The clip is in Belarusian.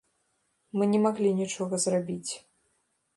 Мы не маглі нічога зрабіць.